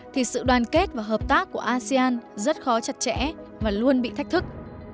thì sự đoàn kết và hợp tác của asean rất khó chặt chẽ và luôn bị thách thức